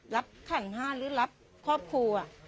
รับขังห้าหรือรับครอบครูอ่ะ